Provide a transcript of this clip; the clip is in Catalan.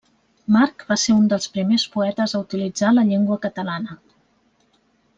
March va ser un dels primers poetes a utilitzar la llengua catalana.